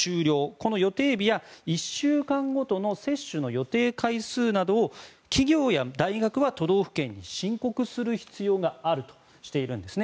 この予定日や１週間ごとの接種の予定回数などを企業や大学は都道府県に申告する必要があるとしているんですね。